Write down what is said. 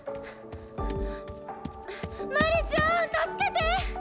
マリちゃん助けて！